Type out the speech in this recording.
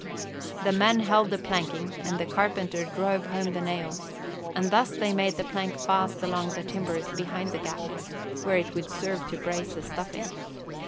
The men held the planking and the carpenter drove home the nails and thus they made the plank fast along the timbers behind the gap, where it would serve to brace the stuffing.